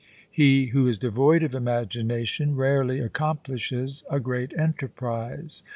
He who is devoid of imagination rarely accomplishes a great enterprise.